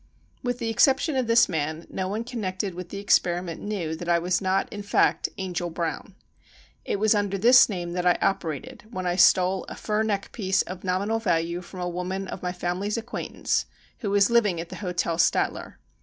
With the exception of this man, no one connected with the experiment knew that I was not in fact "Angel Brown." It was under this name that I "operated" when I stole a fur neck piece of nom inal value from a woman of my family's acquaint ance who was living at the Hotel Statler.